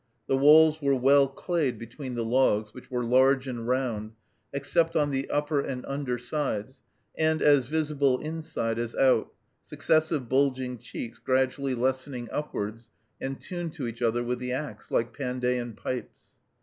The walls were well clayed between the logs, which were large and round, except on the upper and under sides, and as visible inside as out, successive bulging cheeks gradually lessening upwards and tuned to each other with the axe, like Pandean pipes.